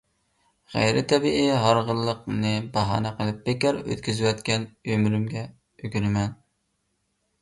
غەيرىي تەبىئىي «ھارغىنلىق »نى باھانە قىلىپ بىكار ئۆتكۈزۈۋەتكەن ئۆمرۈمگە ئۆكۈنىمەن.